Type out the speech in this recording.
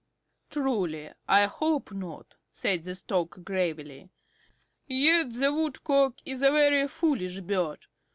"Truly, I hope not," said the Stork gravely. "Yet the Woodcock is a very foolish bird.